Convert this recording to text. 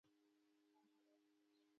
هغوی په موزون شعله کې پر بل باندې ژمن شول.